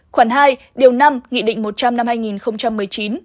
khoảng hai điều năm nghị định một trăm linh năm hai nghìn một mươi chín